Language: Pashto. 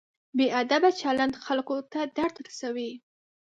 بې ادبه چلند خلکو ته درد رسوي.